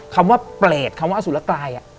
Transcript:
คำว่าเปรตคำว่าอสุรกาย